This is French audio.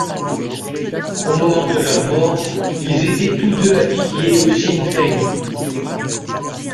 Au moment de leur mort, ils étaient tous deux affiliés au Sinn Féin.